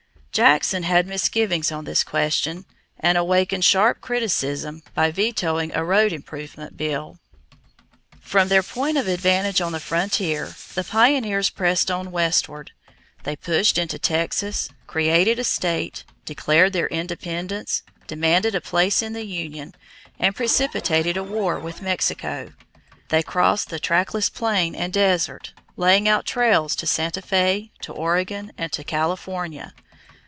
Jackson had misgivings on this question and awakened sharp criticism by vetoing a road improvement bill. From their point of vantage on the frontier, the pioneers pressed on westward. They pushed into Texas, created a state, declared their independence, demanded a place in the union, and precipitated a war with Mexico. They crossed the trackless plain and desert, laying out trails to Santa Fé, to Oregon, and to California.